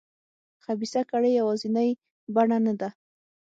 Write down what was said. خبیثه کړۍ یوازینۍ بڼه نه ده.